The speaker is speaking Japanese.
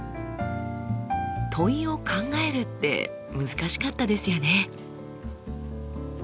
問いを考えるって難しかったですよね。